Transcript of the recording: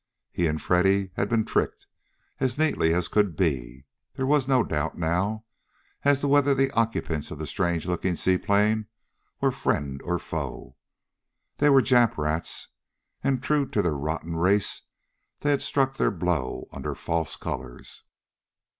He and Freddy had been tricked as neatly as could be. There was no doubt, now, as to whether the occupants of the strange looking seaplane were friend or foe. They were Jap rats, and true to their rotten race they had struck their blow under false colors.